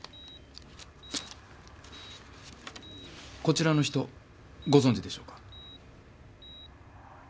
こちらの人ご存じでしょうか？